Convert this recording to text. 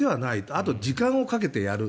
あと時間をかけてやる。